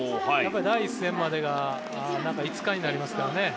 第１戦までが中５日になりますからね。